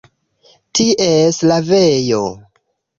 Ties lavejo.